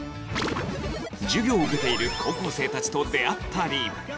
授業を受けている高校生たちと出会ったり